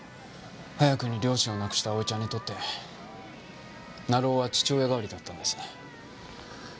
早くに両親を亡くした蒼ちゃんにとって成尾は父親代わりだったんです。